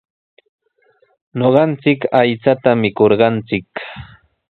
Ñuqanchik aychata mikurqanchik.